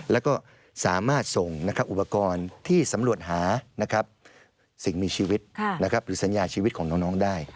แล้วก็สามารถส่งอุปกรณ์ที่สำรวจหาสิ่งมีชีวิตหรือสัญญาชีวิตของน้องได้